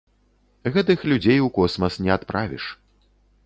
Гэтых людзей у космас не адправіш.